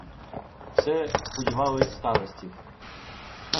Все сподівались старостів.